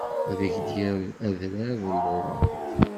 Ad ak-d-yerr adrar d luḍa.